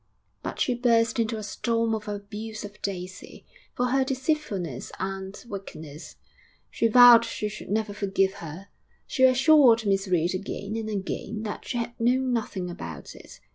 But she burst into a storm of abuse of Daisy, for her deceitfulness and wickedness. She vowed she should never forgive her. She assured Miss Reed again and again that she had known nothing about it.